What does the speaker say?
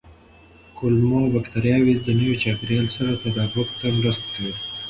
کولمو بکتریاوې د نوي چاپېریال سره تطابق ته مرسته کوي.